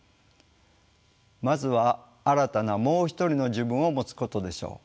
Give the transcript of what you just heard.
まずは新たな「もう一人の自分」をもつことでしょう。